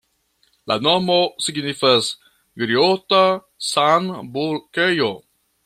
La nomo signifas griota-sambukejo.